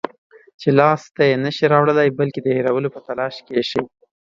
چې لاس ته یې نشی راوړلای، بلکې د هېرولو په تلاش کې شئ